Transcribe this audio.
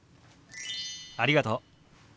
ありがとう。